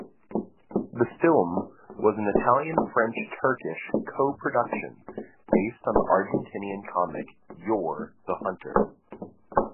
The film was an Italian-French-Turkish co-production based on the Argentinian comic Yor the Hunter.